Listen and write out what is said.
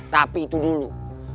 tapi itu dulu